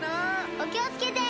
おきをつけて！